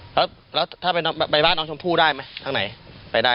อเจมส์อ๋อแล้วถ้าไปบ้านน้องชมพู่ได้ไหมทางไหนไปได้